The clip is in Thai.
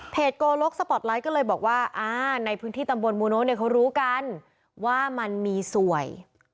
โกลกสปอร์ตไลท์ก็เลยบอกว่าอ่าในพื้นที่ตำบลมูโน้เนี่ยเขารู้กันว่ามันมีสวย